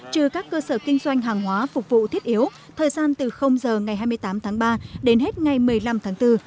trừ các cơ sở kinh doanh hàng hóa phục vụ thiết yếu thời gian từ giờ ngày hai mươi tám tháng ba đến hết ngày một mươi năm tháng bốn